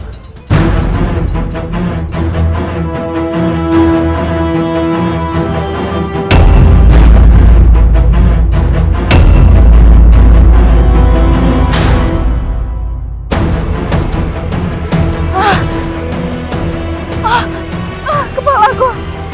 ah ah kepalaku